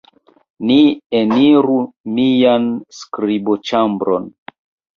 Ni eniru mian skriboĉambron.